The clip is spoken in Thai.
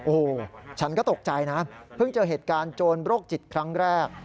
โอ้โหฉันก็ตกใจนะเพิ่งเจอเหตุการณ์โจรโรคจิตครั้งแรก